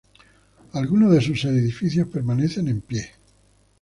Algunos de sus edificios permanecen en pie.